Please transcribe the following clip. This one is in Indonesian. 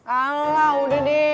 allah udah deh